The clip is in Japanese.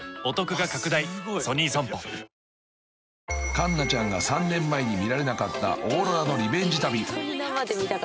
［環奈ちゃんが３年前に見られなかったオーロラのリベンジ旅］